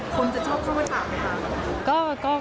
คนจะชอบเข้าไปถามไหมคะ